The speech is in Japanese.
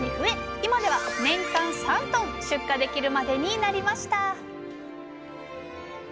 今では年間３ｔ出荷できるまでになりました